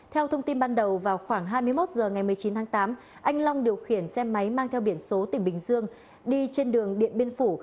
theo thông tin ban đầu vào khoảng hai mươi một h ngày một mươi chín tháng tám anh long điều khiển xe máy mang theo biển số tỉnh bình dương đi trên đường điện biên phủ